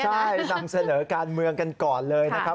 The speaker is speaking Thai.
ใช่นำเสนอการเมืองกันก่อนเลยนะครับ